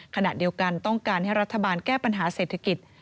ขณะเดียวกันต้องการให้รัฐบาลแก้ปัญหาเศรษฐกิจ